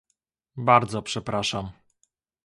Bardzo przepraszam